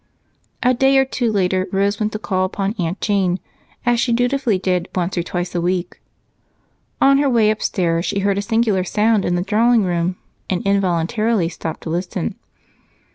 A day or two later Rose went to call upon Aunt Jane, as she dutifully did once or twice a week. On her way upstairs she heard a singular sound in the drawing room and involuntarily stopped to listen.